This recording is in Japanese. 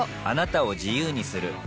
あなたを自由にする